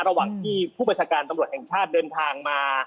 ระหว่างที่ผู้บัญชาการตำรวจแห่งชาติเดินทางมา